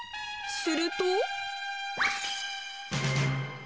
すると。